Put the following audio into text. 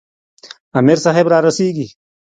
امیر صاحب را رسیږي.